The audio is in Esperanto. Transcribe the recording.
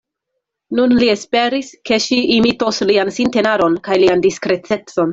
Nun li esperis, ke ŝi imitos lian sintenadon kaj lian diskretecon.